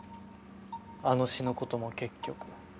あの詩の事も結局。